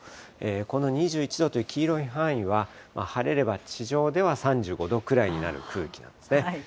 この２１度という黄色い範囲は、晴れれば地上では３５度ぐらいになる空気なんですね。